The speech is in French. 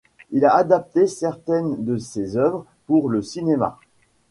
Il a adapté certaines de ses œuvres pour le cinéma.